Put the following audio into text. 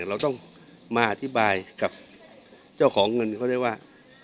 เราต้องมาอธิบายกับเจ้าของเงินเขาได้ว่า